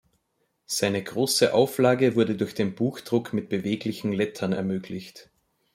Seine große Auflage wurde durch den Buchdruck mit beweglichen Lettern ermöglicht.